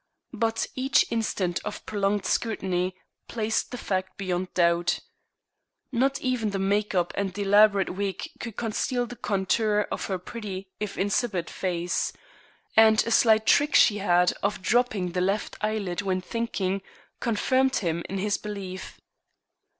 But each instant of prolonged scrutiny placed the fact beyond doubt. Not even the make up and the elaborate wig could conceal the contour of her pretty if insipid face, and a slight trick she had of drooping the left eyelid when thinking confirmed him in his belief.